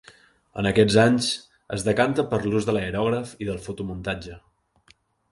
En aquests anys es decanta per l'ús de l'aerògraf i del fotomuntatge.